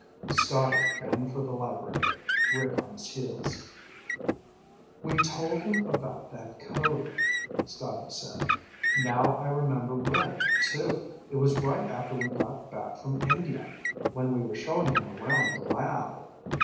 _" Scotty ran for the library, Rick on his heels. "We told him about that code," Scotty said. "Now I remember when, too. It was right after we got back from India, when we were showing him around the lab."